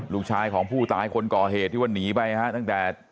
ลูกชายของผู้ตายคนก่อเหตุตายไปตั้งแต่